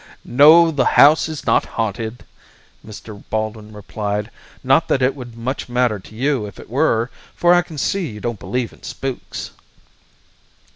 "No, the house is not haunted," Mr. Baldwin replied. "Not that it would much matter to you if it were, for I can see you don't believe in spooks."